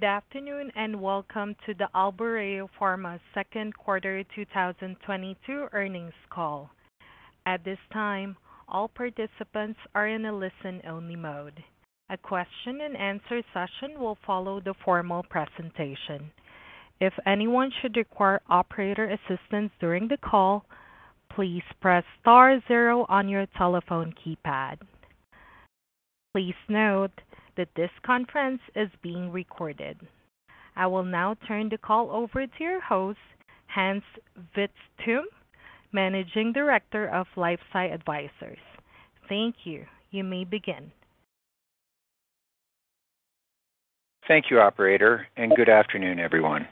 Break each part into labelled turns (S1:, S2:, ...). S1: Good afternoon, and welcome to the Albireo Pharma's second quarter 2022 earnings call. At this time, all participants are in a listen-only mode. A question-and-answer session will follow the formal presentation. If anyone should require operator assistance during the call, please press star zero on your telephone keypad. Please note that this conference is being recorded. I will now turn the call over to your host, Hans Vitzthum, Managing Director of LifeSci Advisors. Thank you. You may begin.
S2: Thank you, operator, and good afternoon, everyone.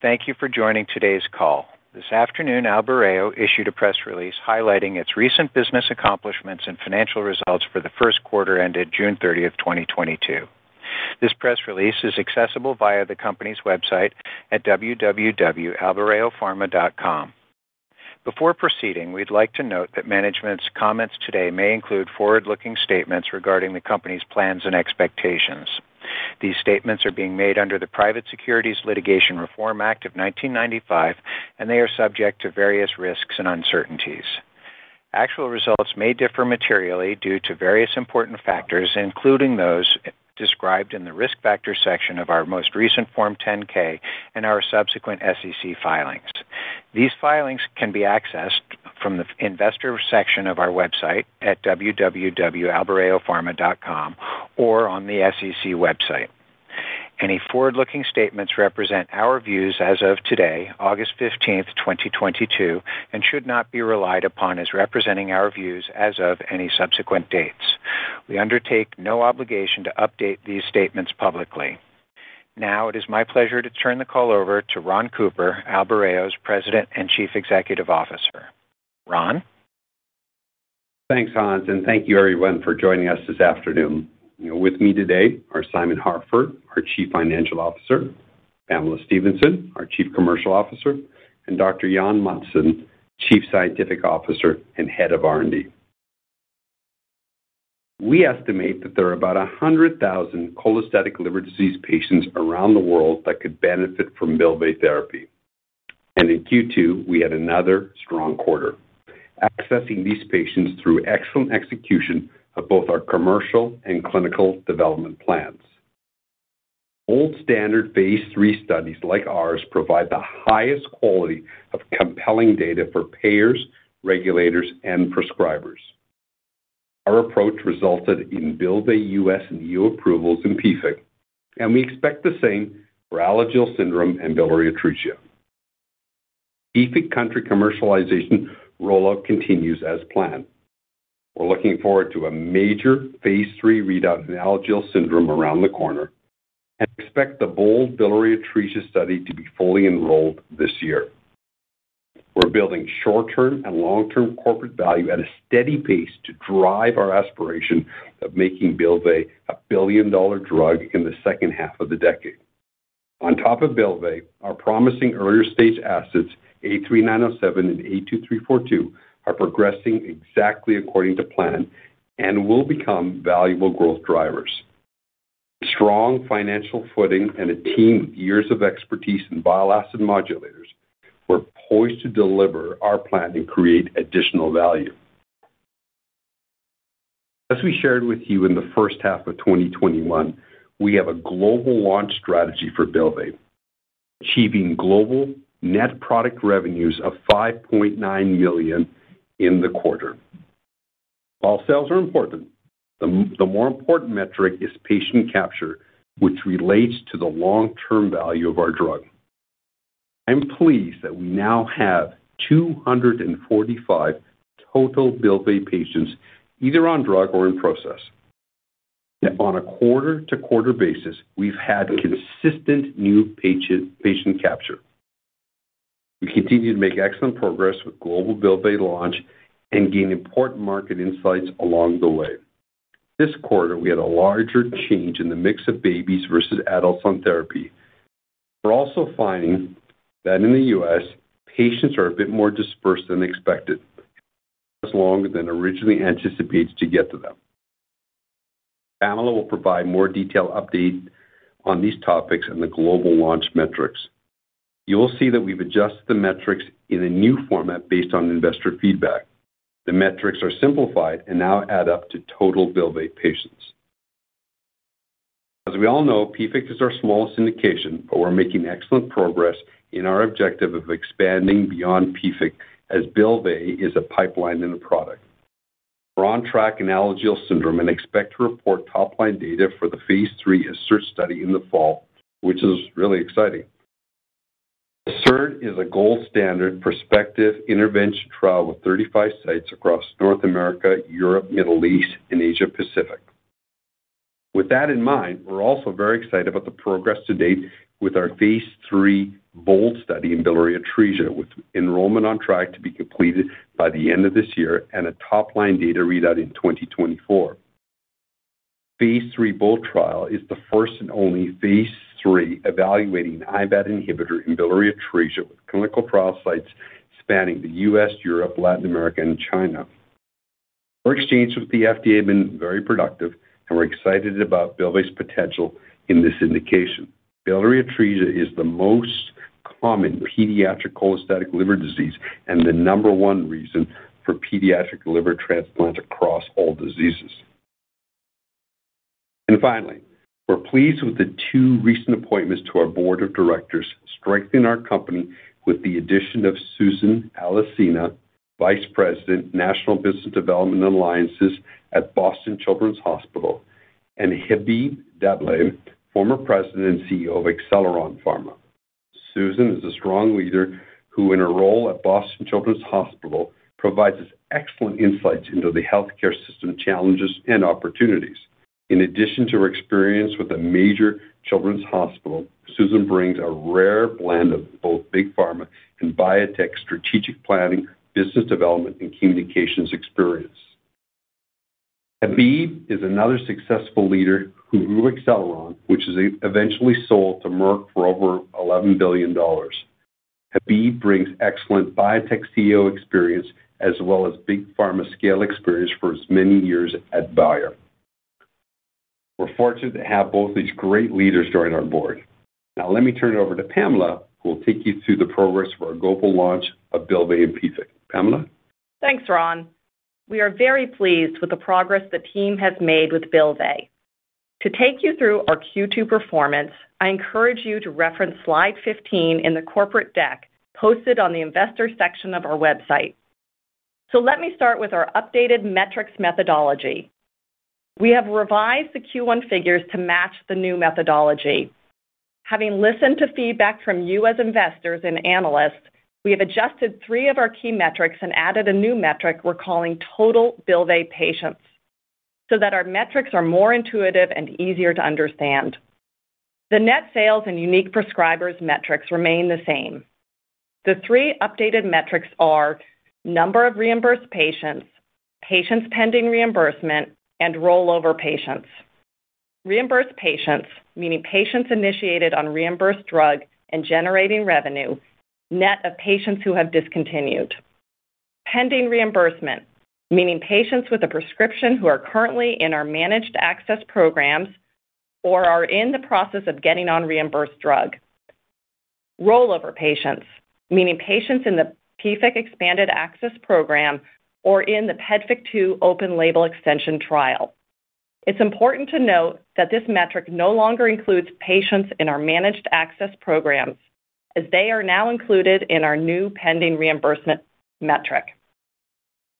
S2: Thank you for joining today's call. This afternoon, Albireo issued a press release highlighting its recent business accomplishments and financial results for the first quarter ended June 30, 2022. This press release is accessible via the company's website at www.albireopharma.com. Before proceeding, we'd like to note that management's comments today may include forward-looking statements regarding the company's plans and expectations. These statements are being made under the Private Securities Litigation Reform Act of 1995, and they are subject to various risks and uncertainties. Actual results may differ materially due to various important factors, including those described in the Risk Factors section of our most recent Form 10-K and our subsequent SEC filings. These filings can be accessed from the investor section of our website at www.albireopharma.com or on the SEC website. Any forward-looking statements represent our views as of today, August 15, 2022, and should not be relied upon as representing our views as of any subsequent dates. We undertake no obligation to update these statements publicly. Now it is my pleasure to turn the call over to Ron Cooper, Albireo's President and Chief Executive Officer. Ron?
S3: Thanks, Hans, and thank you everyone for joining us this afternoon. With me today are Simon Harford, our Chief Financial Officer, Pamela Stephenson, our Chief Commercial Officer, and Dr. Jan Mattsson, Chief Scientific Officer and Head of R&D. We estimate that there are about 100,000 cholestatic liver disease patients around the world that could benefit from Bylvay therapy. In Q2, we had another strong quarter, accessing these patients through excellent execution of both our commercial and clinical development plans. Old standard phase III studies like ours provide the highest quality of compelling data for payers, regulators, and prescribers. Our approach resulted in Bylvay US and EU approvals in PFIC, and we expect the same for Alagille syndrome and biliary atresia. PFIC country commercialization rollout continues as planned. We're looking forward to a major phase III readout in Alagille syndrome around the corner and expect the BOLD biliary atresia study to be fully enrolled this year. We're building short-term and long-term corporate value at a steady pace to drive our aspiration of making Bylvay a billion-dollar drug in the second half of the decade. On top of Bylvay, our promising earlier-stage assets A3907 and A2342 are progressing exactly according to plan and will become valuable growth drivers. Strong financial footing and a team with years of expertise in bile acid modulators, we're poised to deliver our plan and create additional value. As we shared with you in the first half of 2021, we have a global launch strategy for Bylvay, achieving global net product revenues of $5.9 million in the quarter. While sales are important, the more important metric is patient capture, which relates to the long-term value of our drug. I'm pleased that we now have 245 total Bylvay patients either on drug or in process. On a quarter-to-quarter basis, we've had consistent new patient capture. We continue to make excellent progress with global Bylvay launch and gain important market insights along the way. This quarter, we had a larger change in the mix of babies versus adults on therapy. We're also finding that in the U.S., patients are a bit more dispersed than expected. It takes us longer than originally anticipated to get to them. Pamela will provide more detailed update on these topics and the global launch metrics. You'll see that we've adjusted the metrics in a new format based on investor feedback. The metrics are simplified and now add up to total Bylvay patients. As we all know, PFIC is our smallest indication, but we're making excellent progress in our objective of expanding beyond PFIC as Bylvay is a pipeline and a product. We're on track in Alagille syndrome and expect to report top-line data for the phase III ASSERT study in the fall, which is really exciting. ASSERT is a gold standard prospective intervention trial with 35 sites across North America, Europe, Middle East, and Asia Pacific. With that in mind, we're also very excited about the progress to date with our phase III BOLD study in biliary atresia, with enrollment on track to be completed by the end of this year and a top-line data readout in 2024. Phase III BOLD trial is the first and only phase III evaluating IBAT inhibitor in biliary atresia, with clinical trial sites spanning the U.S., Europe, Latin America, and China. Our exchange with the FDA has been very productive, and we're excited about Bylvay's potential in this indication. Biliary atresia is the most common pediatric cholestatic liver disease and the number one reason for pediatric liver transplants across all diseases. Finally, we're pleased with the two recent appointments to our board of directors, strengthening our company with the addition of Susan Alesci, Vice President, National Business Development and Alliances at Boston Children's Hospital, and Habib Dable, former President and CEO of Acceleron Pharma. Susan is a strong leader who, in her role at Boston Children's Hospital, provides excellent insights into the healthcare system challenges and opportunities. In addition to her experience with a major children's hospital, Susan brings a rare blend of both big pharma and biotech strategic planning, business development, and communications experience. Habib is another successful leader who grew Acceleron, which was eventually sold to Merck for over $11 billion. Habib brings excellent biotech CEO experience as well as big pharma scale experience for his many years at Bayer. We're fortunate to have both these great leaders join our board. Now let me turn it over to Pamela, who will take you through the progress for our global launch of Bylvay and PFIC. Pamela?
S4: Thanks, Ron. We are very pleased with the progress the team has made with Bylvay. To take you through our Q2 performance, I encourage you to reference slide 15 in the corporate deck posted on the investors section of our website. Let me start with our updated metrics methodology. We have revised the Q1 figures to match the new methodology. Having listened to feedback from you as investors and analysts, we have adjusted three of our key metrics and added a new metric we're calling total Bylvay patients so that our metrics are more intuitive and easier to understand. The net sales and unique prescribers metrics remain the same. The three updated metrics are number of reimbursed patients pending reimbursement, and rollover patients. Reimbursed patients, meaning patients initiated on reimbursed drug and generating revenue, net of patients who have discontinued. Pending reimbursement, meaning patients with a prescription who are currently in our managed access programs or are in the process of getting on reimbursed drug. Rollover patients, meaning patients in the PFIC expanded access program or in the PEDFIC 2 open-label extension trial. It's important to note that this metric no longer includes patients in our managed access programs as they are now included in our new pending reimbursement metric.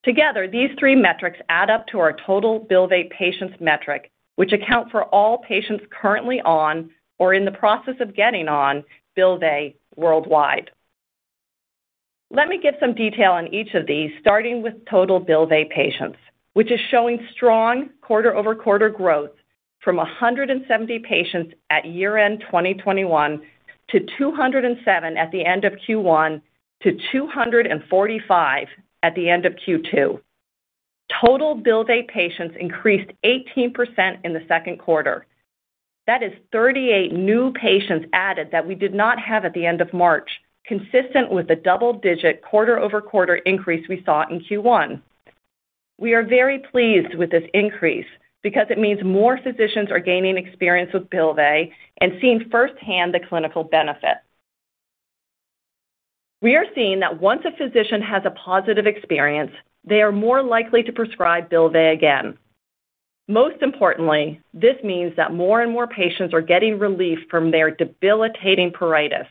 S4: Together, these three metrics add up to our total Bylvay patients metric, which account for all patients currently on or in the process of getting on Bylvay worldwide. Let me give some detail on each of these, starting with total Bylvay patients, which is showing strong quarter-over-quarter growth from 170 patients at year-end 2021 to 207 at the end of Q1 to 245 at the end of Q2. Total Bylvay patients increased 18% in the second quarter. That is 38 new patients added that we did not have at the end of March, consistent with the double-digit quarter-over-quarter increase we saw in Q1. We are very pleased with this increase because it means more physicians are gaining experience with Bylvay and seeing firsthand the clinical benefit. We are seeing that once a physician has a positive experience, they are more likely to prescribe Bylvay again. Most importantly, this means that more and more patients are getting relief from their debilitating pruritus,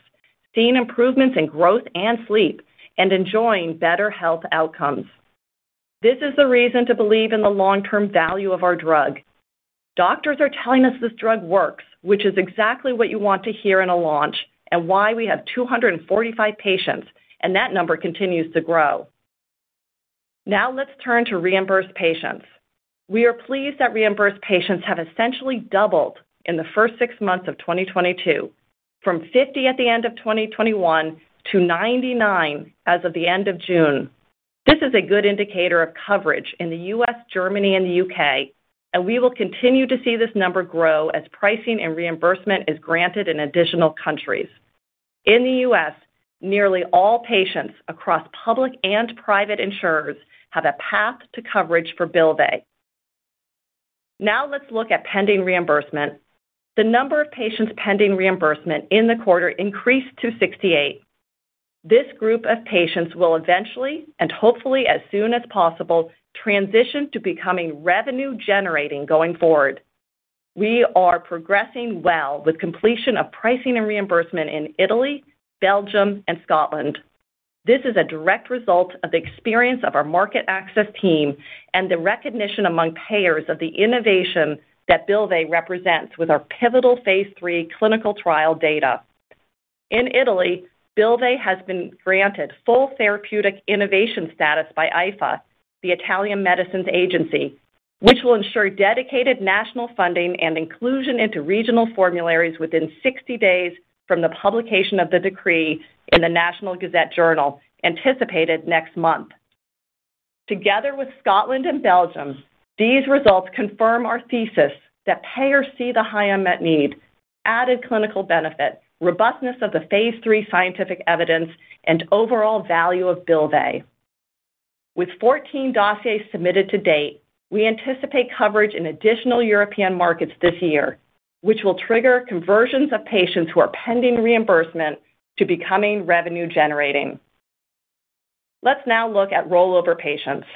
S4: seeing improvements in growth and sleep, and enjoying better health outcomes. This is the reason to believe in the long-term value of our drug. Doctors are telling us this drug works, which is exactly what you want to hear in a launch and why we have 245 patients, and that number continues to grow. Now let's turn to reimbursed patients. We are pleased that reimbursed patients have essentially doubled in the first six months of 2022 from 50 at the end of 2021 to 99 as of the end of June. This is a good indicator of coverage in the U.S., Germany, and the U.K., and we will continue to see this number grow as pricing and reimbursement is granted in additional countries. In the U.S., nearly all patients across public and private insurers have a path to coverage for Bylvay. Now let's look at pending reimbursement. The number of patients pending reimbursement in the quarter increased to 68. This group of patients will eventually, and hopefully as soon as possible, transition to becoming revenue generating going forward. We are progressing well with completion of pricing and reimbursement in Italy, Belgium, and Scotland. This is a direct result of the experience of our market access team and the recognition among payers of the innovation that Bylvay represents with our pivotal phase III clinical trial data. In Italy, Bylvay has been granted full therapeutic innovation status by AIFA, the Italian Medicines Agency, which will ensure dedicated national funding and inclusion into regional formularies within 60 days from the publication of the decree in the Gazzetta Ufficiale anticipated next month. Together with Scotland and Belgium, these results confirm our thesis that payers see the high unmet need, added clinical benefit, robustness of the phase III scientific evidence and overall value of Bylvay. With 14 dossiers submitted to date, we anticipate coverage in additional European markets this year, which will trigger conversions of patients who are pending reimbursement to becoming revenue-generating. Let's now look at rollover patients.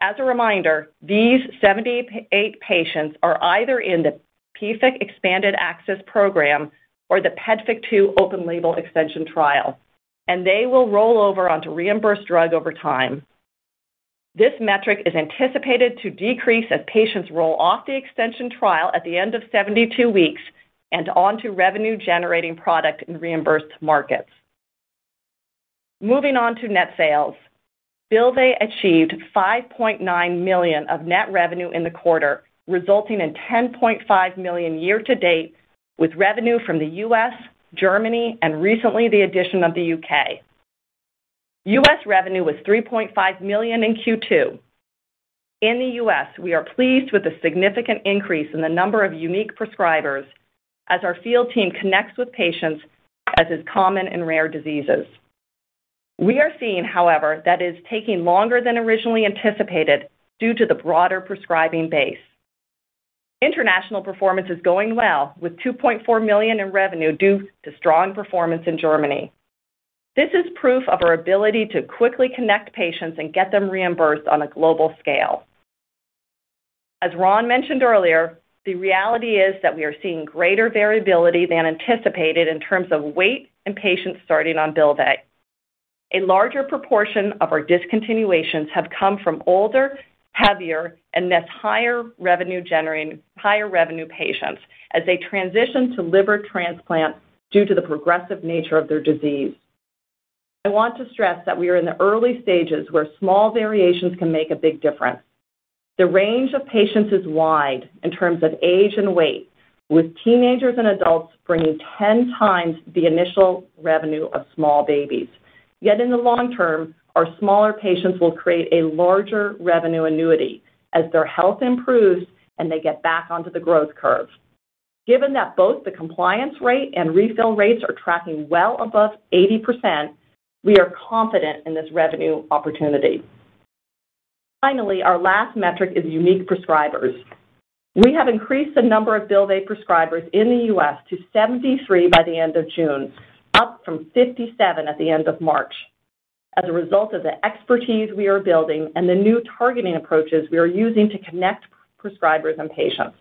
S4: As a reminder, these 78 patients are either in the PFIC expanded access program or the PEDFIC 2 open label extension trial, and they will roll over onto reimbursed drug over time. This metric is anticipated to decrease as patients roll off the extension trial at the end of 72 weeks and onto revenue-generating product in reimbursed markets. Moving on to net sales. Bylvay achieved $5.9 million of net revenue in the quarter, resulting in $10.5 million year to date, with revenue from the U.S.., Germany and recently the addition of the UK. U.S. revenue was $3.5 million in Q2. In the U.S., we are pleased with the significant increase in the number of unique prescribers as our field team connects with patients, as is common in rare diseases. We are seeing, however, that it is taking longer than originally anticipated due to the broader prescribing base. International performance is going well, with $2.4 million in revenue due to strong performance in Germany. This is proof of our ability to quickly connect patients and get them reimbursed on a global scale. As Ron mentioned earlier, the reality is that we are seeing greater variability than anticipated in terms of weight and patients starting on Bylvay. A larger proportion of our discontinuations have come from older, heavier, and thus higher revenue patients as they transition to liver transplant due to the progressive nature of their disease. I want to stress that we are in the early stages where small variations can make a big difference. The range of patients is wide in terms of age and weight, with teenagers and adults bringing 10x the initial revenue of small babies. Yet in the long term, our smaller patients will create a larger revenue annuity as their health improves and they get back onto the growth curve. Given that both the compliance rate and refill rates are tracking well above 80%, we are confident in this revenue opportunity. Finally, our last metric is unique prescribers. We have increased the number of Bylvay prescribers in the U.S. to 73 by the end of June, up from 57 at the end of March as a result of the expertise we are building and the new targeting approaches we are using to connect prescribers and patients.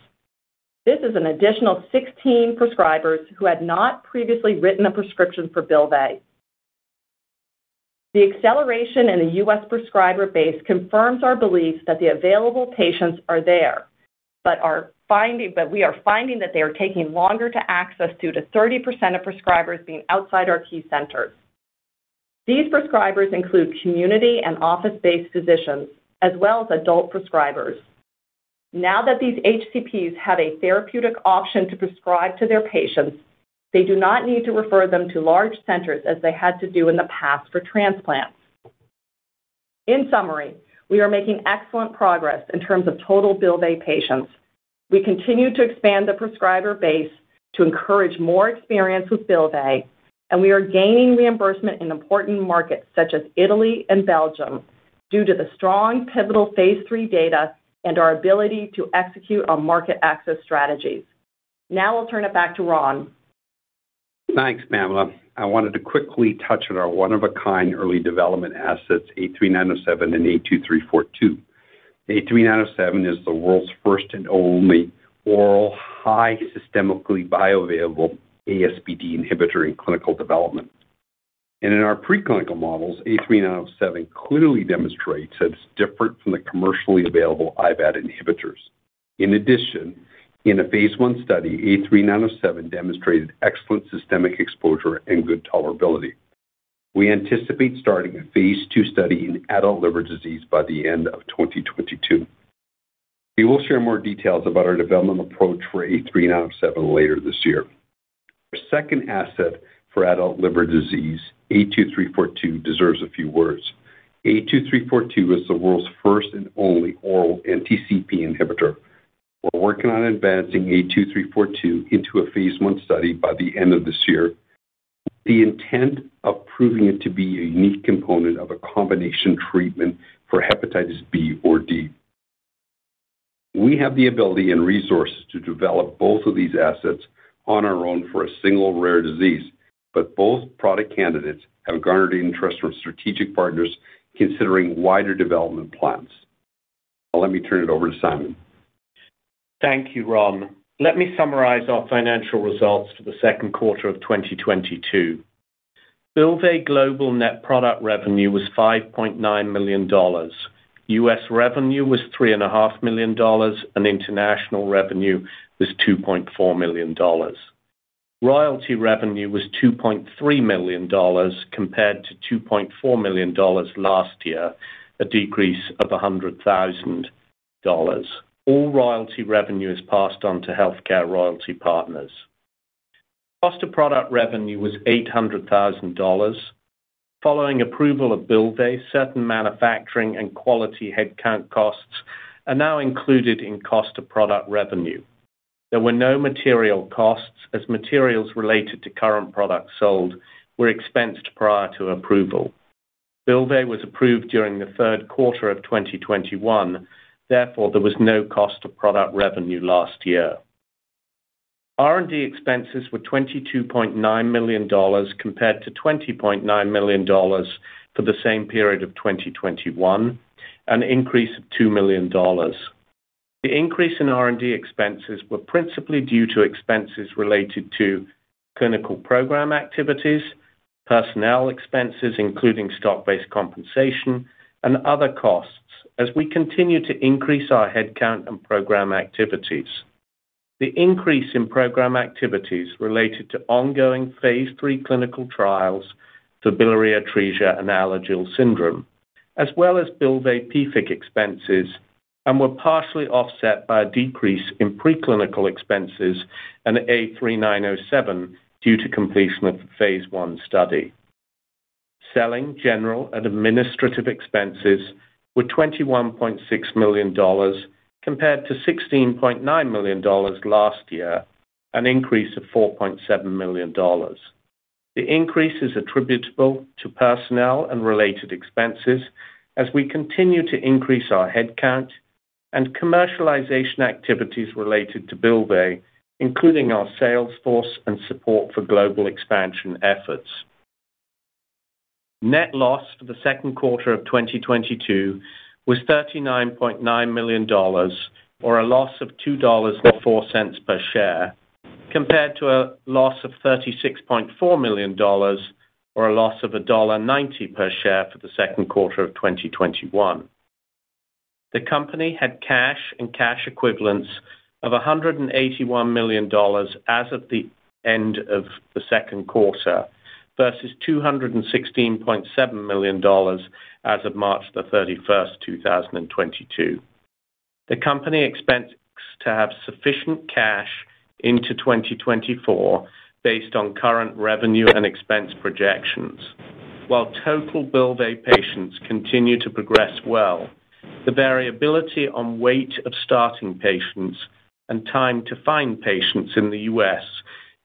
S4: This is an additional 16 prescribers who had not previously written a prescription for Bylvay. The acceleration in the U.S. prescriber base confirms our belief that the available patients are there but we are finding that they are taking longer to access due to 30% of prescribers being outside our key centers. These prescribers include community and office-based physicians as well as adult prescribers. Now that these HCPs have a therapeutic option to prescribe to their patients, they do not need to refer them to large centers as they had to do in the past for transplants. In summary, we are making excellent progress in terms of total Bylvay patients. We continue to expand the prescriber base to encourage more experience with Bylvay, and we are gaining reimbursement in important markets such as Italy and Belgium due to the strong pivotal phase III data and our ability to execute our market access strategies. Now I'll turn it back to Ron.
S3: Thanks, Pamela. I wanted to quickly touch on our one of a kind early development assets A3907 and A2342. A3907 is the world's first and only oral highly systemically bioavailable ASBT inhibitor in clinical development. In our preclinical models, A3907 clearly demonstrates that it's different from the commercially available IBAT inhibitors. In addition, in a phase I study, A3907 demonstrated excellent systemic exposure and good tolerability. We anticipate starting a phase II study in adult liver disease by the end of 2022. We will share more details about our development approach for A3907 later this year. Our second asset for adult liver disease, A2342 deserves a few words. A2342 is the world's first and only oral NTCP inhibitor. We're working on advancing A2342 into a phase I study by the end of this year, with the intent of proving it to be a unique component of a combination treatment for hepatitis B or D. We have the ability and resources to develop both of these assets on our own for a single rare disease. Both product candidates have garnered interest from strategic partners considering wider development plans. I'll turn it over to Simon.
S5: Thank you, Ron. Let me summarize our financial results for the second quarter of 2022. Bylvay global net product revenue was $5.9 million. U.S. revenue was $3.5 million, and international revenue was $2.4 million. Royalty revenue was $2.3 million compared to $2.4 million last year, a decrease of $100,000. All royalty revenue is passed on to HealthCare Royalty Partners. Cost of product revenue was $800,000. Following approval of Bylvay, certain manufacturing and quality headcount costs are now included in cost of product revenue. There were no material costs as materials related to current products sold were expensed prior to approval. Bylvay was approved during the third quarter of 2021, therefore there was no cost of product revenue last year. R&D expenses were $22.9 million compared to $20.9 million for the same period of 2021, an increase of $2 million. The increase in R&D expenses were principally due to expenses related to clinical program activities, personnel expenses, including stock-based compensation and other costs as we continue to increase our headcount and program activities. The increase in program activities related to ongoing phase III clinical trials for biliary atresia and Alagille syndrome, as well as Bylvay PFIC expenses, and were partially offset by a decrease in pre-clinical expenses and A3907 due to completion of phase I study. Selling, general and administrative expenses were $21.6 million compared to $16.9 million last year, an increase of $4.7 million. The increase is attributable to personnel and related expenses as we continue to increase our headcount and commercialization activities related to Bylvay, including our sales force and support for global expansion efforts. Net loss for the second quarter of 2022 was $39.9 million or a loss of $2.04 per share, compared to a loss of $36.4 million or a loss of $1.90 per share for the second quarter of 2021. The company had cash and cash equivalents of $181 million as of the end of the second quarter versus $216.7 million as of March 31, 2022. The company expects to have sufficient cash into 2024 based on current revenue and expense projections. While total Bylvay patients continue to progress well, the variability on wait of starting patients and time to find patients in the U.S.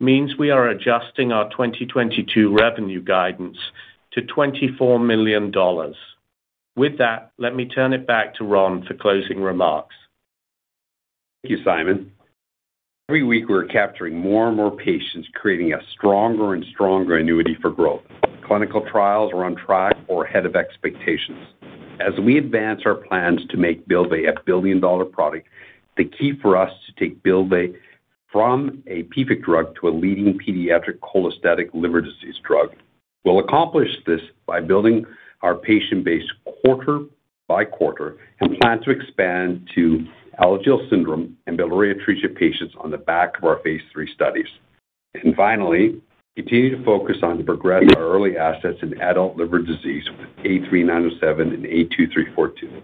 S5: means we are adjusting our 2022 revenue guidance to $24 million. With that, let me turn it back to Ron for closing remarks.
S3: Thank you, Simon. Every week, we're capturing more and more patients, creating a stronger and stronger annuity for growth. Clinical trials are on track or ahead of expectations. As we advance our plans to make Bylvay a billion-dollar product, the key for us to take Bylvay from a PFIC drug to a leading pediatric cholestatic liver disease drug. We'll accomplish this by building our patient base quarter by quarter, and plan to expand to Alagille syndrome and biliary atresia patients on the back of our phase III studies. Finally, continue to focus on the progress of our early assets in adult liver disease with A3907 and A2342.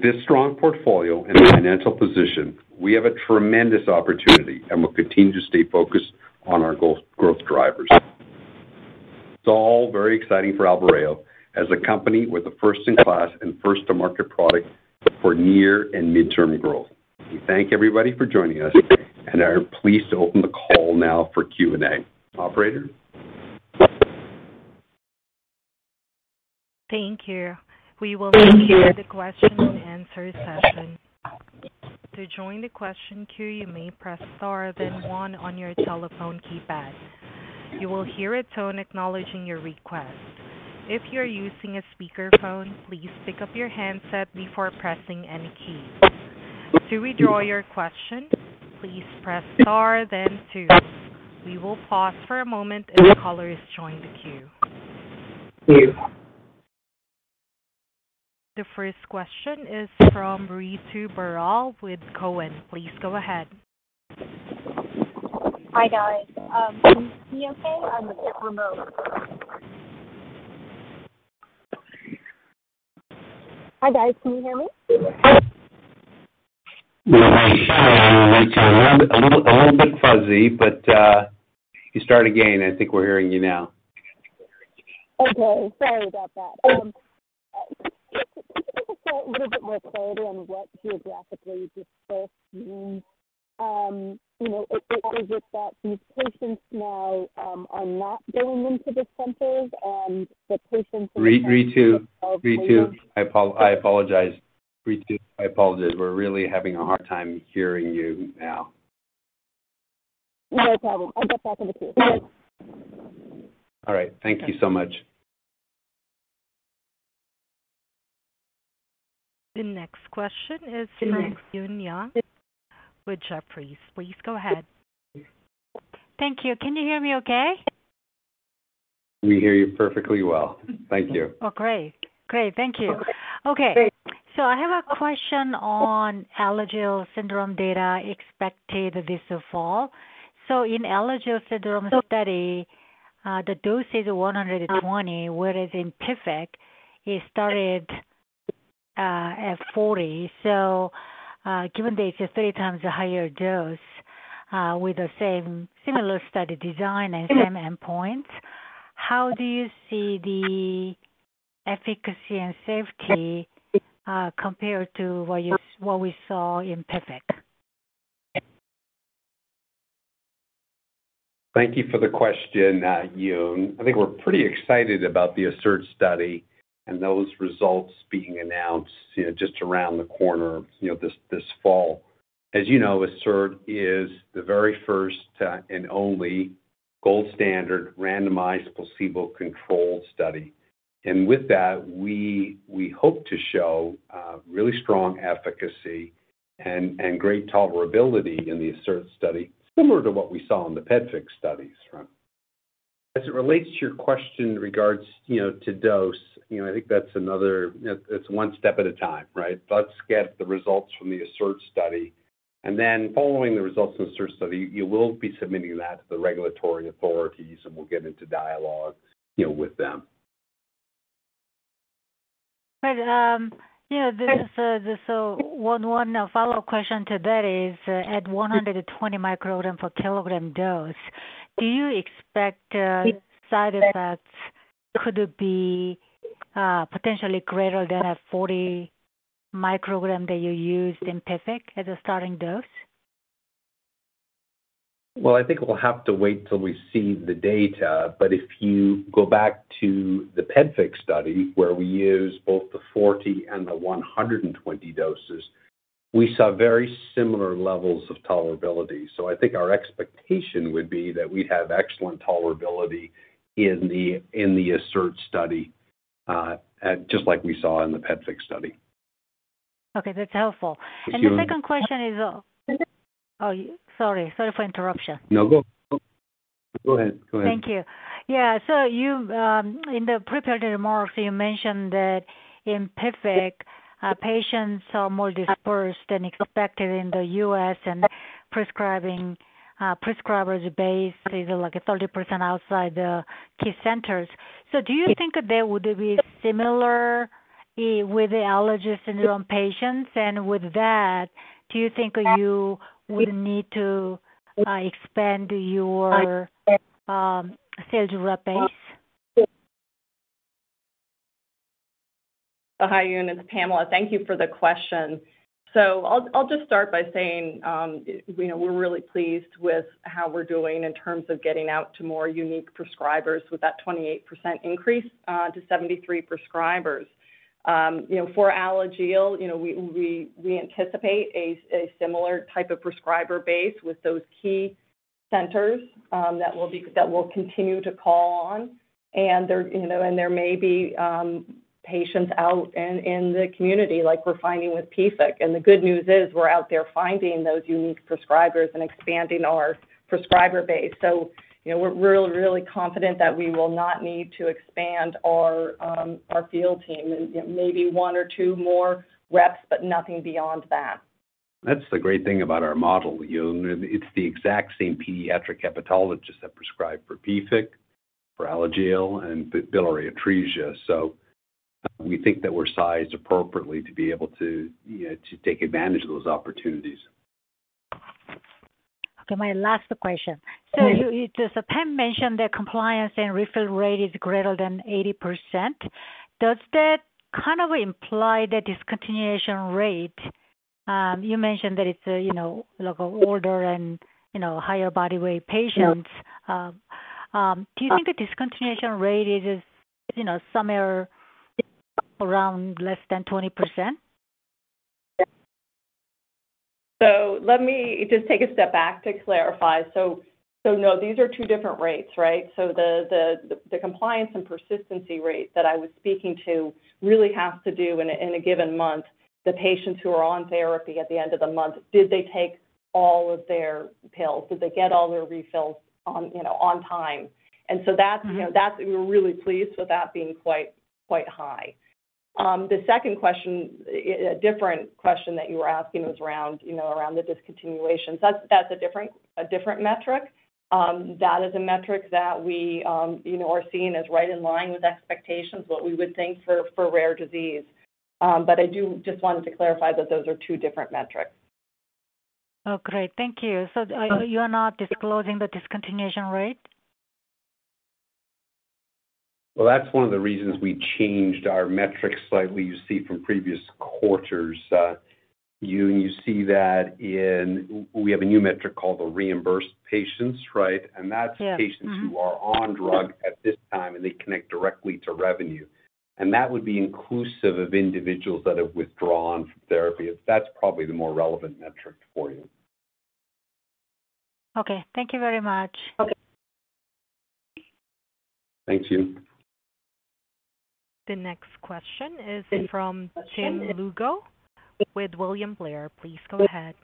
S3: With this strong portfolio and financial position, we have a tremendous opportunity, and we'll continue to stay focused on our growth drivers. It's all very exciting for Albireo as a company with a first-in-class and first-to-market product for near and mid-term growth. We thank everybody for joining us and are pleased to open the call now for Q&A. Operator?
S1: Thank you. We will now begin the question and answer session. To join the question queue, you may press Star then One on your telephone keypad. You will hear a tone acknowledging your request. If you are using a speakerphone, please pick up your handset before pressing any key. To withdraw your question, please press Star then Two. We will pause for a moment as callers join the queue. The first question is from Ritu Baral with Cowen. Please go ahead.
S6: Hi, guys. Can you see me okay? I'm a bit remote. Hi, guys. Can you hear me?
S3: Yeah. Hi, Ritu. A little bit fuzzy, but you start again. I think we're hearing you now.
S6: Okay, sorry about that. Could you just a little bit more clarity on what geographically dispersed means? You know, is it that these patients now are not going into the centers and the patients are
S3: Ritu, I apologize. We're really having a hard time hearing you now.
S6: No problem. I'll get back in the queue.
S3: All right. Thank you so much.
S1: The next question is from Eun Yang with Jefferies. Please go ahead.
S7: Thank you. Can you hear me okay?
S3: We hear you perfectly well. Thank you.
S7: Oh, great. Great. Thank you. Okay, I have a question on Alagille syndrome data expected this fall. In Alagille syndrome study, the dose is 120, whereas in PFIC, it started at 40. Given that it's three times the higher dose, with the same similar study design and same endpoints, how do you see the efficacy and safety, compared to what we saw in PFIC?
S3: Thank you for the question, Eun. I think we're pretty excited about the ASSERT study and those results being announced, you know, just around the corner, you know, this fall. As you know, ASSERT is the very first and only gold standard randomized placebo-controlled study. With that, we hope to show really strong efficacy and great tolerability in the ASSERT study, similar to what we saw in the PFIC studies. As it relates to your question in regards, you know, to dose, you know, I think that's another. It's one step at a time, right? Let's get the results from the ASSERT study, and then following the results of the ASSERT study, you will be submitting that to the regulatory authorities, and we'll get into dialogue, you know, with them.
S7: Right. You know, this is a one follow-up question to that is, at 120 microgram per kilogram dose, do you expect side effects could be potentially greater than a 40 microgram that you used in PFIC as a starting dose?
S3: Well, I think we'll have to wait till we see the data. If you go back to the PFIC study, where we used both the 40 and the 120 doses, we saw very similar levels of tolerability. I think our expectation would be that we'd have excellent tolerability in the ASSERT study, just like we saw in the PFIC study.
S7: Okay. That's helpful.
S3: Thanks, Eun.
S7: The second question is. Oh, sorry. Sorry for interruption.
S3: No, go ahead. Go ahead.
S7: Thank you. Yeah. You in the prepared remarks, you mentioned that in PFIC patients are more dispersed than expected in the U.S. and prescribers base is like 30 outside the key centers. Do you think that would be similar with the Alagille syndrome patients? With that, do you think you will need to expand your sales rep base?
S4: Oh, hi, Eun. It's Pamela. Thank you for the question. I'll just start by saying, you know, we're really pleased with how we're doing in terms of getting out to more unique prescribers with that 28% increase to 73 prescribers. You know, for Alagille, you know, we anticipate a similar type of prescriber base with those key centers that we'll continue to call on. There, you know, there may be patients out in the community like we're finding with PFIC. The good news is we're out there finding those unique prescribers and expanding our prescriber base. You know, we're really confident that we will not need to expand our field team. You know, maybe one or two more reps, but nothing beyond that.
S3: That's the great thing about our model, Eun. It's the exact same pediatric hepatologists that prescribe for PFIC, for Alagille and biliary atresia. We think that we're sized appropriately to be able to, you know, to take advantage of those opportunities.
S7: Okay, my last question.
S3: Sure.
S7: Pam mentioned that compliance and refill rate is greater than 80%. Does that kind of imply the discontinuation rate? You mentioned that it's, you know, like older and, you know, higher body weight patients. Do you think the discontinuation rate is, you know, somewhere around less than 20%?
S4: Let me just take a step back to clarify. No, these are two different rates, right? The compliance and persistency rate that I was speaking to really has to do in a given month, the patients who are on therapy at the end of the month, did they take all of their pills? Did they get all their refills on, you know, on time? That's. You know, that's. We're really pleased with that being quite high. The second question, a different question that you were asking was around, you know, around the discontinuation. That's a different metric. That is a metric that we, you know, are seeing as right in line with expectations, what we would think for rare disease. I do just wanted to clarify that those are two different metrics.
S7: Oh, great. Thank you.
S3: Sure.
S7: You are not disclosing the discontinuation rate?
S3: Well, that's one of the reasons we changed our metrics slightly, you see, from previous quarters. Eun, We have a new metric called the reimbursed patients, right?
S7: Yes.
S3: That's patients who are on drug at this time, and they connect directly to revenue. That would be inclusive of individuals that have withdrawn from therapy. That's probably the more relevant metric for you.
S7: Okay. Thank you very much.
S4: Okay.
S3: Thanks, Eun.
S1: The next question is from Tim Lugo with William Blair. Please go ahead.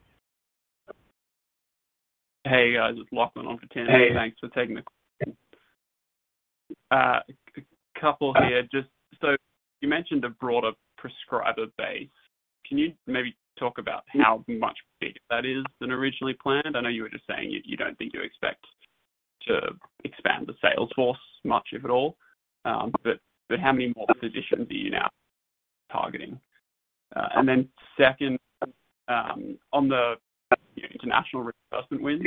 S8: Hey, guys. It's Lachlan on for Tim.
S3: Hey.
S8: Thanks for taking the question. A couple here. Just so you mentioned a broader prescriber base, can you maybe talk about how much bigger that is than originally planned? I know you were just saying you don't think you expect to expand the sales force, much if at all. But how many more positions are you now targeting? And then second, on the international reimbursement wins,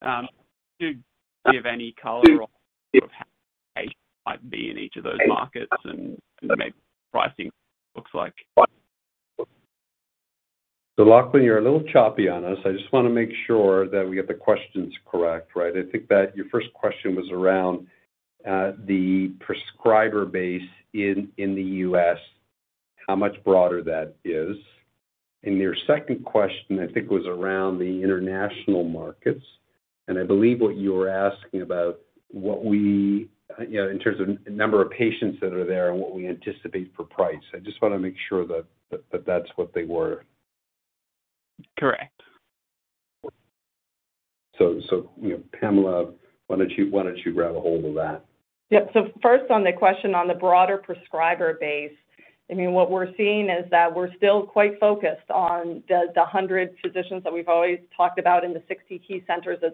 S8: could you give any color on what might be in each of those markets and maybe what pricing looks like?
S3: Lachlan, you're a little choppy on us. I just wanna make sure that we get the questions correct, right? I think that your first question was around the prescriber base in the U.S., how much broader that is. Your second question, I think, was around the international markets, and I believe what you were asking about what we in terms of number of patients that are there and what we anticipate for price. I just wanna make sure that that's what they were.
S8: Correct.
S3: You know, Pamela, why don't you grab a hold of that?
S4: Yep. First on the question on the broader prescriber base, I mean, what we're seeing is that we're still quite focused on the 100 physicians that we've always talked about in the 60 key centers, so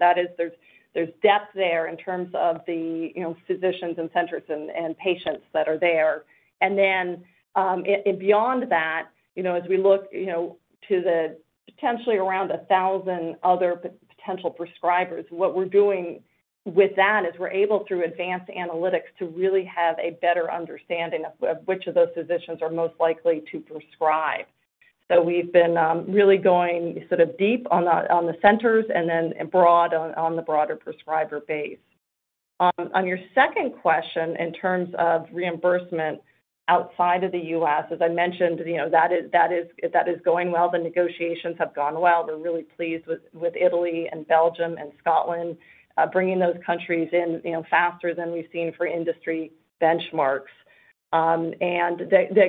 S4: there's depth there in terms of the, you know, physicians and centers and patients that are there. And then and beyond that, you know, as we look, you know, to the potentially around 1,000 other potential prescribers, what we're doing with that is we're able, through advanced analytics, to really have a better understanding of which of those physicians are most likely to prescribe. We've been really going sort of deep on the centers and then broad on the broader prescriber base. On your second question, in terms of reimbursement outside of the U.S., as I mentioned, you know, that is going well. The negotiations have gone well. We're really pleased with Italy and Belgium and Scotland bringing those countries in, you know, faster than we've seen for industry benchmarks. The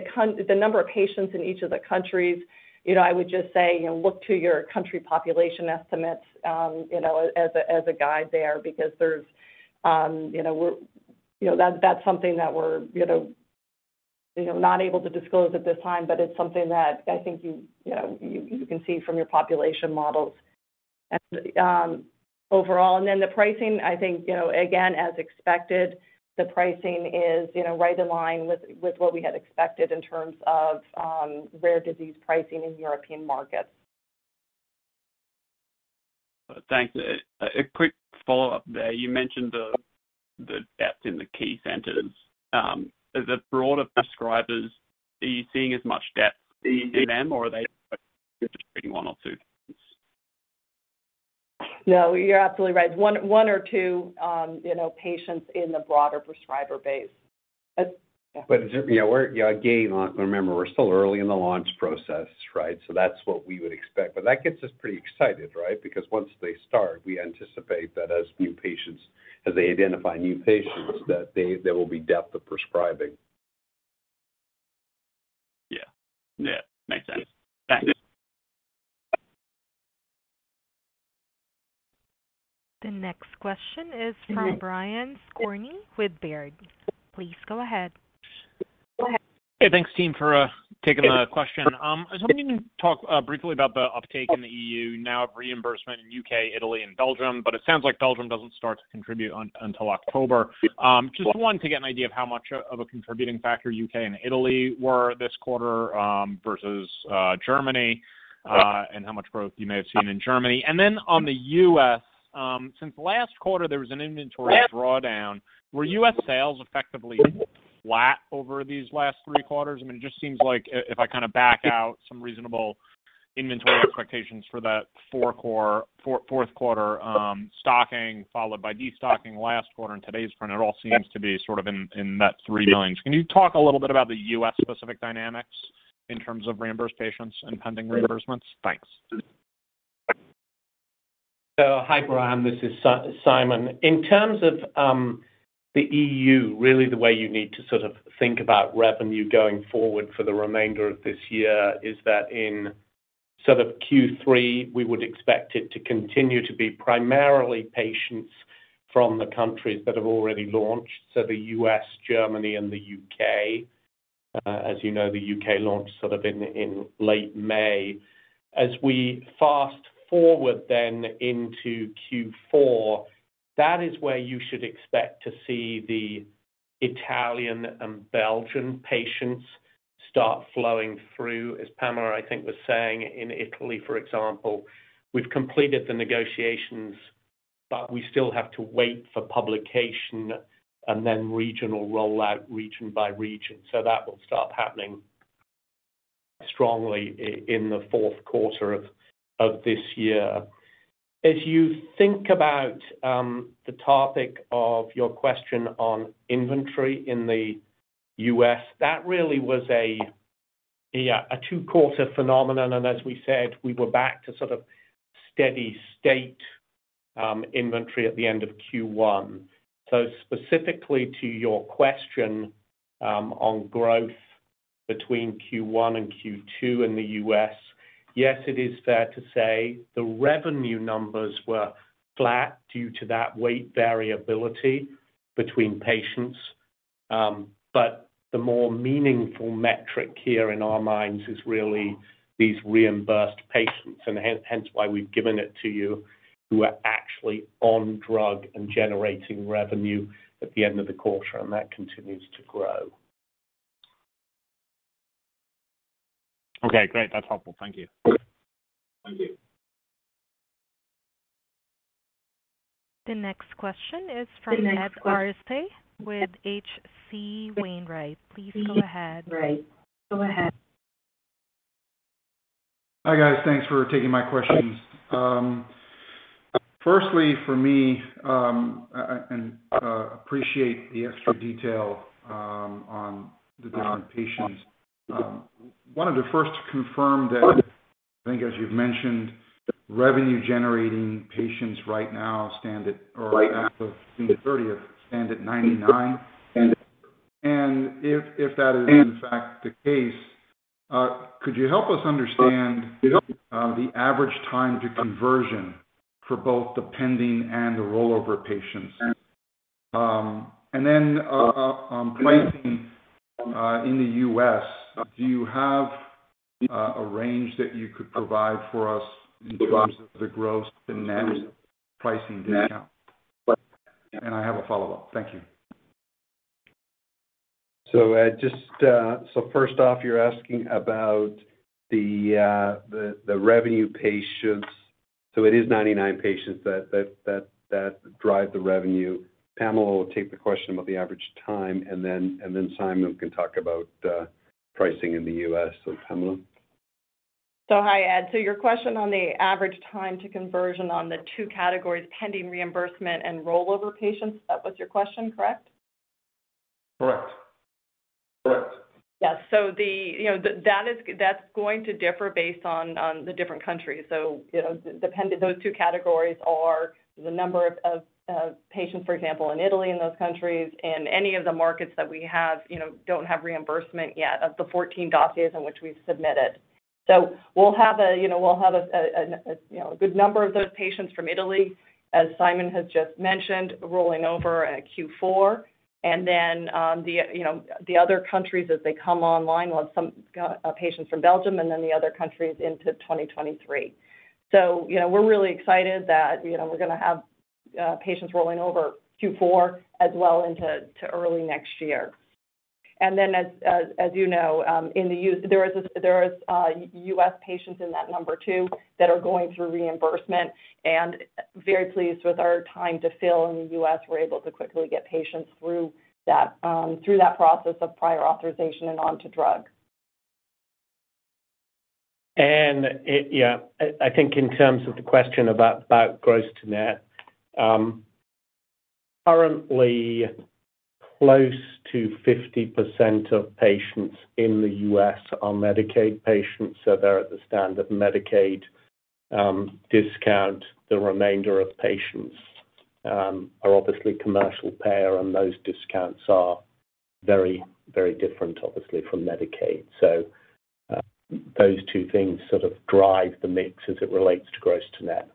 S4: number of patients in each of the countries, you know, I would just say, you know, look to your country population estimates, you know, as a guide there because that's something that we're, you know, not able to disclose at this time, but it's something that I think you know, you can see from your population models. Overall. The pricing, I think, you know, again, as expected, the pricing is, you know, right in line with what we had expected in terms of rare disease pricing in European markets.
S8: Thanks. A quick follow-up there. You mentioned the depth in the key centers. Among broader prescribers, are you seeing as much depth in them, or are they one or two?
S4: No, you're absolutely right. One or two, you know, patients in the broader prescriber base.
S3: Yeah, again, remember, we're still early in the launch process, right? That's what we would expect. That gets us pretty excited, right? Because once they start, we anticipate that as they identify new patients, there will be depth of prescribing.
S8: Makes sense. Thanks.
S1: The next question is from Brian Skorney with Baird. Please go ahead.
S9: Hey, thanks, team, for taking the question. I was wondering if you could talk briefly about the uptake in the E.U. now of reimbursement in U.K., Italy and Belgium, but it sounds like Belgium doesn't start to contribute until October. Just oneto get an idea of how much of a contributing factor U.K. and Italy were this quarter versus Germany and how much growth you may have seen in Germany. On the U.S., since last quarter, there was an inventory drawdown. Were U.S. sales effectively flat over these last three quarters? I mean, it just seems like if I kinda back out some reasonable inventory expectations for that fourth quarter stocking, followed by destocking last quarter and today's print, it all seems to be sort of in that $3 million. Can you talk a little bit about the U.S.-specific dynamics in terms of reimbursed patients and pending reimbursements? Thanks.
S5: Hi, Brian. This is Simon. In terms of the E.U., really the way you need to sort of think about revenue going forward for the remainder of this year is that in sort of Q3, we would expect it to continue to be primarily patients from the countries that have already launched, so the U.S., Germany and the U.K. As you know, the U.K. launched sort of in late May. As we fast forward into Q4, that is where you should expect to see the Italian and Belgian patients start flowing through. As Pamela, I think, was saying in Italy, for example, we've completed the negotiations, but we still have to wait for publication and then regional rollout region by region. That will start happening strongly in the fourth quarter of this year. As you think about the topic of your question on inventory in the U.S., that really was a two-quarter phenomenon. As we said, we were back to sort of steady state inventory at the end of Q1. Specifically to your question on growth between Q1 and Q2 in the U.S., yes, it is fair to say the revenue numbers were flat due to that weight variability between patients, but the more meaningful metric here in our minds is really these reimbursed patients, and hence why we've given it to you, who are actually on drug and generating revenue at the end of the quarter, and that continues to grow.
S9: Okay, great. That's helpful. Thank you.
S5: Thank you.
S1: The next question is from Ed Arce with H.C. Wainwright. Please go ahead.
S10: Hi, guys. Thanks for taking my questions. Firstly, for me, and appreciate the extra detail on the different patients. Wanted to first confirm that, I think as you've mentioned, revenue generating patients right now stand at 99 as of June 30. If that is in fact the case, could you help us understand the average time to conversion for both the pending and the rollover patients? Then, on pricing in the U.S., do you have a range that you could provide for us in terms of the gross to net pricing discount? I have a follow-up. Thank you.
S3: Ed, first off, you're asking about the revenue patients. It is 99 patients that drive the revenue. Pamela will take the question about the average time, and then Simon can talk about pricing in the U.S. Pamela.
S4: Hi, Ed. Your question on the average time to conversion on the two categories, pending reimbursement and rollover patients, that was your question, correct?
S10: Correct. Correct.
S4: Yeah. That is that's going to differ based on the different countries. You know, depending, those two categories are the number of patients, for example, in Italy, in those countries and any of the markets that we have, you know, don't have reimbursement yet of the 14 dossiers in which we've submitted. We'll have a good number of those patients from Italy, as Simon has just mentioned, rolling over at Q4. The other countries as they come online, we'll have some patients from Belgium and then the other countries into 2023. You know, we're really excited that, you know, we're gonna have patients rolling over Q4 as well into early next year. As you know, in the U.S. there is U.S. patients in that number too that are going through reimbursement and very pleased with our time to fill in the U.S. We're able to quickly get patients through that process of prior authorization and onto drug.
S5: Ed, yeah, I think in terms of the question about gross to net, currently close to 50% of patients in the U.S. are Medicaid patients, so they're at the standard Medicaid discount. The remainder of patients are obviously commercial payer, and those discounts are very, very different obviously from Medicaid. Those two things sort of drive the mix as it relates to gross to net.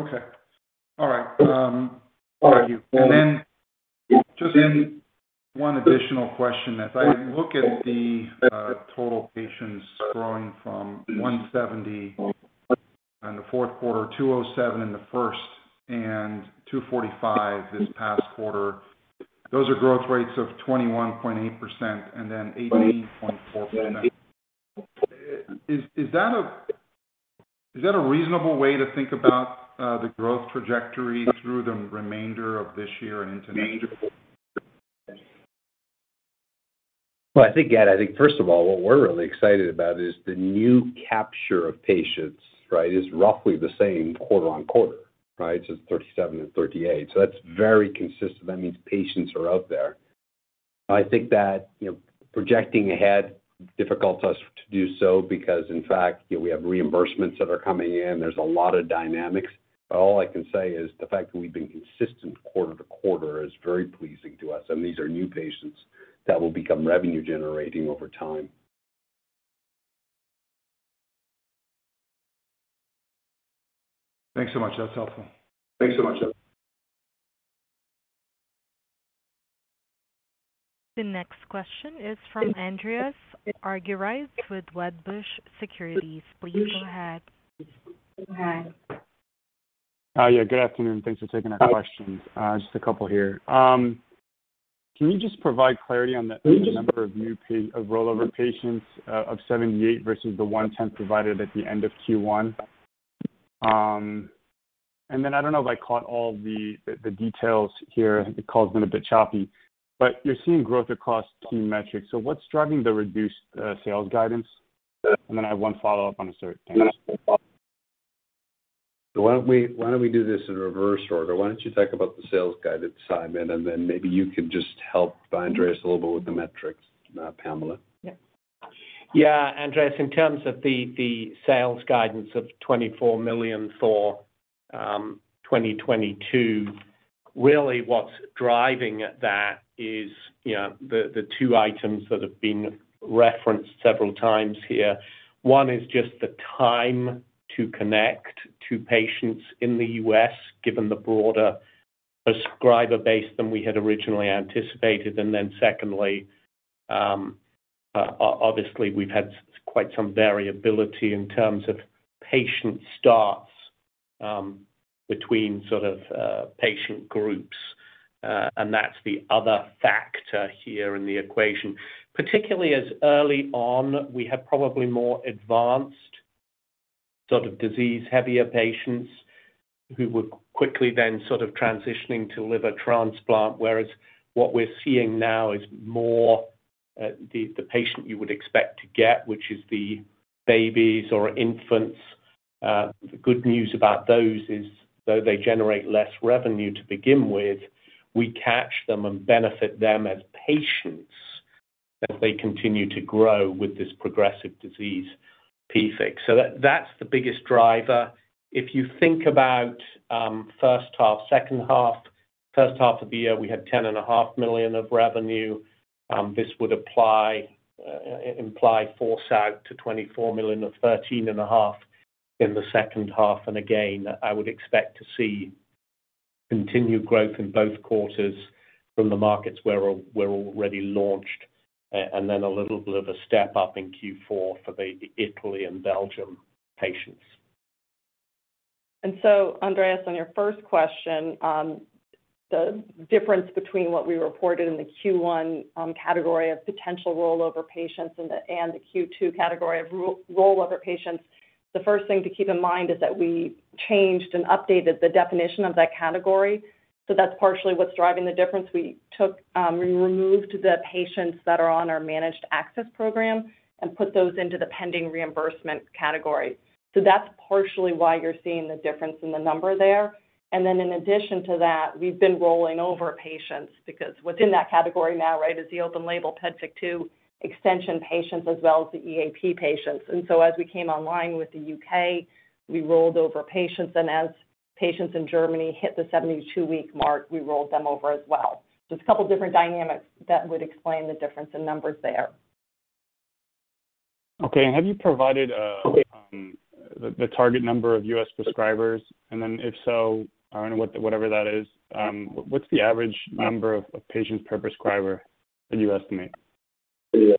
S10: Okay. All right. Thank you. Just one additional question. As I look at the total patients growing from 170 in the fourth quarter, 207 in the first and 245 this past quarter, those are growth rates of 21.8% and then 18.449%. Is that a reasonable way to think about the growth trajectory through the remainder of this year and into next?
S3: Well, I think, Ed, I think first of all, what we're really excited about is the new capture of patients, right, is roughly the same quarter-over-quarter, right? It's 37 and 38. That's very consistent. That means patients are out there. I think that, you know, projecting ahead, difficult for us to do so because in fact, you know, we have reimbursements that are coming in. There's a lot of dynamics. All I can say is the fact that we've been consistent quarter-over-quarter is very pleasing to us, and these are new patients that will become revenue generating over time.
S10: Thanks so much. That's helpful. Thanks so much.
S1: The next question is from Andreas Argyrides with Wedbush Securities. Please go ahead.
S11: Hi. Yeah, good afternoon. Thanks for taking our questions. Just a couple here. Can you just provide clarity on the number of rollover patients of 78 versus the 10 provided at the end of Q1? And then I don't know if I caught all the details here. The call's been a bit choppy. You're seeing growth across key metrics. What's driving the reduced sales guidance? And then I have one follow-up on ASSERT. Thanks.
S3: Why don't we do this in reverse order? Why don't you talk about the sales guidance, Simon, and then maybe you can just help Andreas a little bit with the metrics, Pamela.
S5: Yeah. Andreas, in terms of the sales guidance of $24 million for 2022. Really what's driving that is, you know, the two items that have been referenced several times here. One is just the time to connect to patients in the U.S., given the broader prescriber base than we had originally anticipated. Secondly, obviously, we've had quite some variability in terms of patient starts, between sort of patient groups. That's the other factor here in the equation. Particularly as early on, we had probably more advanced sort of disease-heavier patients who were quickly then sort of transitioning to liver transplant, whereas what we're seeing now is more the patient you would expect to get, which is the babies or infants. The good news about those is, though they generate less revenue to begin with, we catch them and benefit them as patients as they continue to grow with this progressive disease, PFIC. That's the biggest driver. If you think about first half, second half. First half of the year, we had $10.5 million of revenue. This would imply forecast out to $24 million, or $13.5 million in the second half. Again, I would expect to see continued growth in both quarters from the markets where we're already launched, and then a little bit of a step up in Q4 for the Italy and Belgium patients.
S4: Andreas, on your first question, the difference between what we reported in the Q1 category of potential rollover patients and the Q2 category of rollover patients, the first thing to keep in mind is that we changed and updated the definition of that category. That's partially what's driving the difference. We removed the patients that are on our managed access program and put those into the pending reimbursement category. That's partially why you're seeing the difference in the number there. In addition to that, we've been rolling over patients because within that category now, right, is the open label PEDFIC 2 extension patients as well as the EAP patients. As we came online with the U.K., we rolled over patients. As patients in Germany hit the 72-week mark, we rolled them over as well. It's a couple different dynamics that would explain the difference in numbers there.
S11: Okay. Have you provided the target number of U.S. prescribers? If so, I don't know, what, whatever that is, what's the average number of patients per prescriber would you estimate?
S4: Well,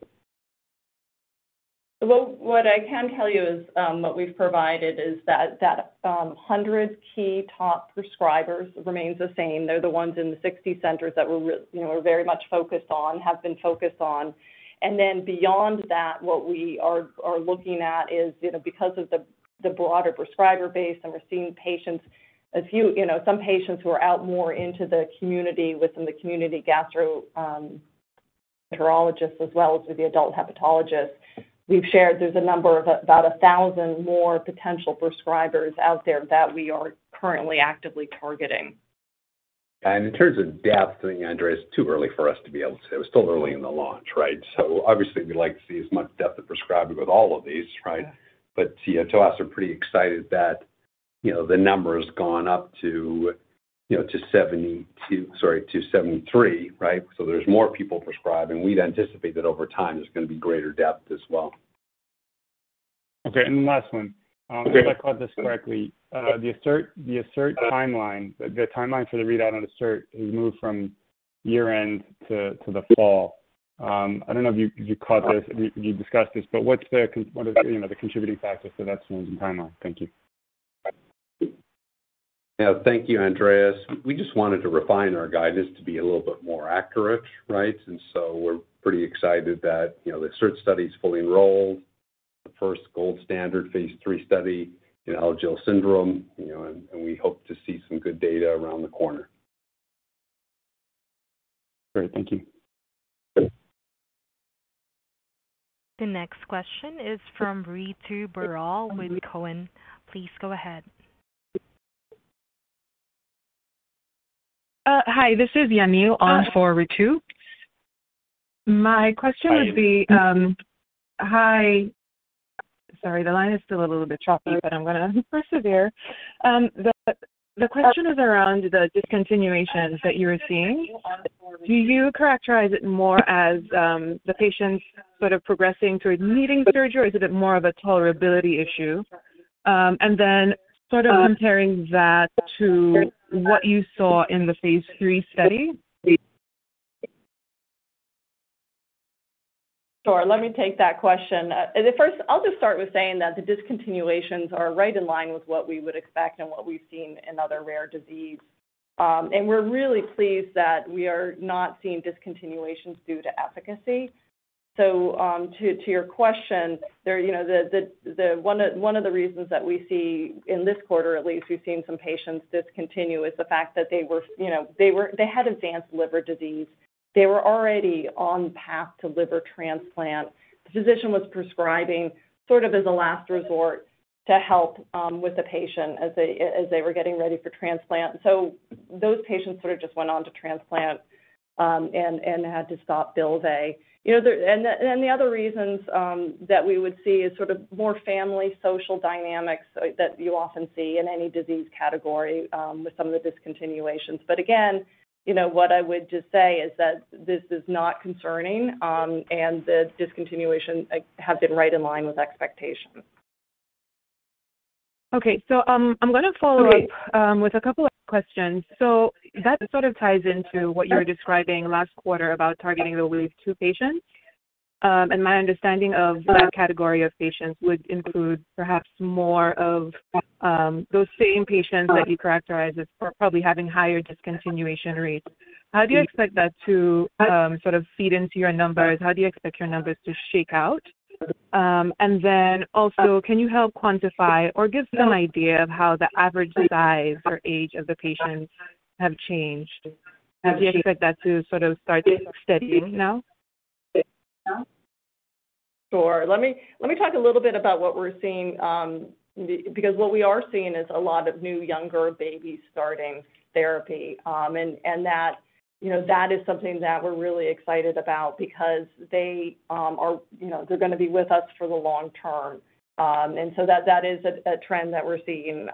S4: what I can tell you is, what we've provided is that 100 key top prescribers remains the same. They're the ones in the 60 centers that we're you know, we're very much focused on, have been focused on. Then beyond that, what we are looking at is, you know, because of the broader prescriber base, and we're seeing patients, a few, you know, some patients who are out more into the community within the community gastroenterologists as well as with the adult hepatologists. We've shared there's a number of about 1,000 more potential prescribers out there that we are currently actively targeting.
S3: In terms of depth, I think, Andreas, it's too early for us to be able to say. We're still early in the launch, right? Obviously we like to see as much depth of prescribing with all of these, right? But yeah, to us, we're pretty excited that, you know, the number has gone up to, you know, to 72. Sorry, to 73, right? There's more people prescribing. We'd anticipate that over time there's going to be greater depth as well.
S11: Okay, last one. If I caught this correctly, the ASSERT timeline, the timeline for the readout on ASSERT has moved from year-end to the fall. I don't know if you caught this, you discussed this, but what are, you know, the contributing factors to that change in timeline? Thank you.
S3: Yeah. Thank you, Andreas. We just wanted to refine our guidance to be a little bit more accurate, right? We're pretty excited that, you know, the ASSERT study is fully enrolled, the first gold standard phase III study in Alagille syndrome, you know, and we hope to see some good data around the corner.
S11: Great. Thank you.
S3: Okay.
S1: The next question is from Ritu Baral with Cowen. Please go ahead.
S6: Hi. This is Yan Liu on for Ritu. My question would be-
S3: Hi.
S6: Hi. Sorry, the line is still a little bit choppy, but I'm gonna persevere. The question is around the discontinuations that you were seeing. Do you characterize it more as the patients sort of progressing towards needing surgery, or is it more of a tolerability issue? Sort of comparing that to what you saw in the phase III study.
S4: Sure. Let me take that question. At first, I'll just start with saying that the discontinuations are right in line with what we would expect and what we've seen in other rare disease. We're really pleased that we are not seeing discontinuations due to efficacy. To your question, one of the reasons that we see in this quarter, at least we've seen some patients discontinue, is the fact that they had advanced liver disease. They were already on path to liver transplant. The physician was prescribing sort of as a last resort to help with the patient as they were getting ready for transplant. Those patients sort of just went on to transplant and had to stop Bylvay. You know, the other reasons that we would see is sort of more family social dynamics that you often see in any disease category with some of the discontinuations. Again, you know, what I would just say is that this is not concerning, and the discontinuation, like, have been right in line with expectations.
S6: Okay. I'm gonna follow up. With a couple of questions. That sort of ties into what you were describing last quarter about targeting the Wave Two patients. My understanding of that category of patients would include perhaps more of those same patients that you characterize as probably having higher discontinuation rates. How do you expect that to sort of feed into your numbers? How do you expect your numbers to shake out? Can you help quantify or give some idea of how the average size or age of the patients have changed? Do you expect that to sort of start steadying now?
S4: Sure. Let me talk a little bit about what we're seeing. Because what we are seeing is a lot of new younger babies starting therapy. That you know that is something that we're really excited about because they are. You know, they're gonna be with us for the long term. That is a trend that we're seeing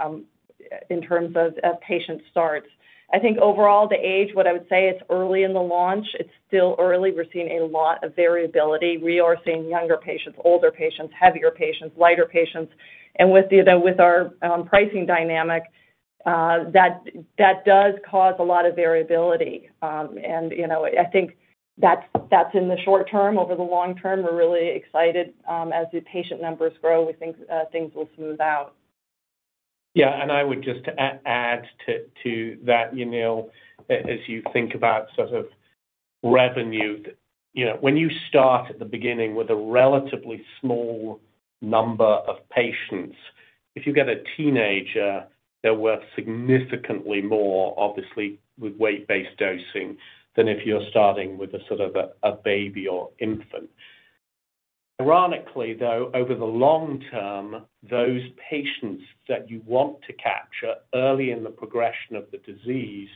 S4: in terms of patient starts. I think overall, the age, what I would say, it's early in the launch. It's still early. We're seeing a lot of variability. We are seeing younger patients, older patients, heavier patients, lighter patients. With our pricing dynamic, that does cause a lot of variability. You know, I think that's in the short term. Over the long-term, we're really excited, as the patient numbers grow, we think, things will smooth out.
S5: Yeah. I would just add to that, you know, as you think about sort of revenue. You know, when you start at the beginning with a relatively small number of patients, if you get a teenager, they're worth significantly more, obviously, with weight-based dosing than if you're starting with a sort of a baby or infant. Ironically, though, over the long term, those patients that you want to capture early in the progression of the disease,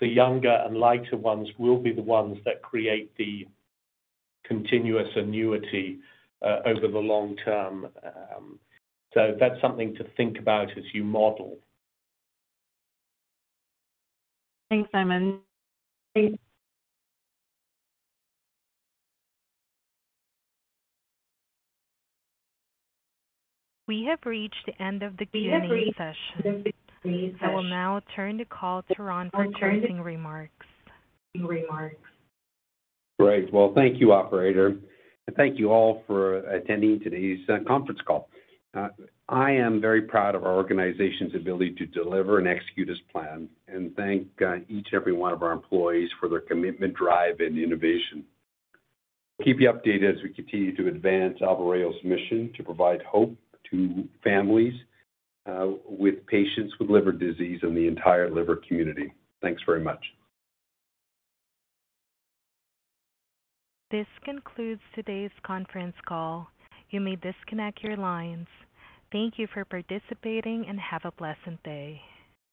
S5: the younger and lighter ones will be the ones that create the continuous annuity over the long term. That's something to think about as you model.
S6: Thanks, Simon.
S1: We have reached the end of the Q&A session. I will now turn the call to Ron for closing remarks.
S3: Great. Well, thank you, operator, and thank you all for attending today's conference call. I am very proud of our organization's ability to deliver and execute as planned, and thank each and every one of our employees for their commitment, drive, and innovation. We'll keep you updated as we continue to advance Albireo's mission to provide hope to families with patients with liver disease and the entire liver community. Thanks very much.
S1: This concludes today's conference call. You may disconnect your lines. Thank you for participating, and have a blessed day.